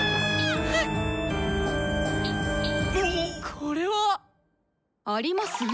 これは！ありますね